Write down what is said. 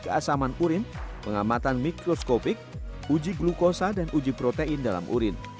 keasaman urin pengamatan mikroskopik uji glukosa dan uji protein dalam urin